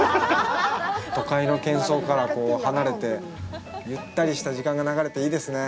都会のけん騒から離れてゆったりした時間が流れていいですね。